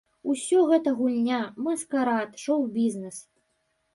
Усё гэта гульня, маскарад, шоў-бізнэс.